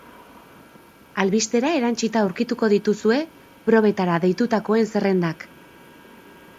Albistera erantsita aurkituko dituzue probetara deitutakoen zerrendak.